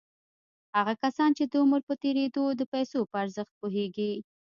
هغه کسان چې د عمر په تېرېدو د پيسو په ارزښت پوهېږي.